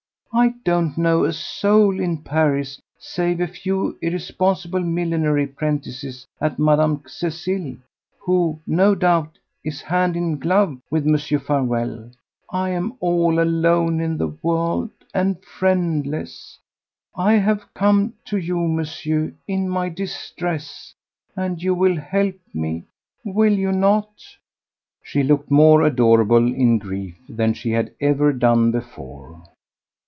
I don't know a soul in Paris save a few irresponsible millinery apprentices and Madame Cécile, who, no doubt, is hand in glove with Mr. Farewell. I am all alone in the world and friendless. ... I have come to you, Monsieur, in my distress ... and you will help me, will you not?" She looked more adorable in grief than she had ever done before.